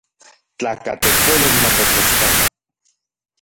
Tlakatekolotl matetlaxtlaua.